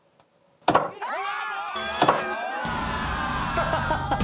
ハハハハッ